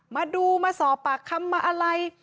มาดูมาสอบปากคำมาอะไร